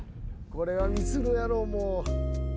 これはミスるやろもう。